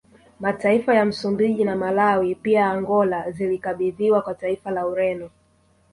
Mataifa ya Msumbiji na Malawi pia Angola zilikabidhiwa kwa taifa la Ureno